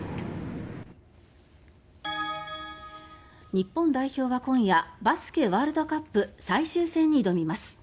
日本代表は今夜バスケワールドカップ最終戦に挑みます。